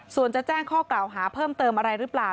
ส่วนจะแจ้งข้อกล่าวหาเพิ่มเติมอะไรหรือเปล่า